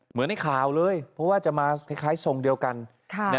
เหมือนในข่าวเลยเพราะว่าจะมาคล้ายทรงเดียวกัน